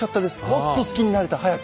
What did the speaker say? もっと好きになれた早く。